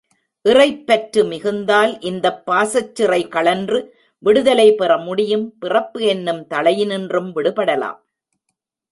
இறைப்பற்று மிகுந்தால் இந்தப் பாசச்சிறை கழன்று விடுதலை பெறமுடியும் பிறப்பு என்னும் தளையினின்றும் விடுபடலாம்.